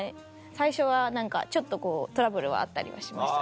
最初は何かちょっとこうトラブルはあったりはしました。